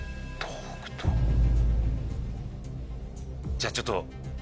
じゃちょっと。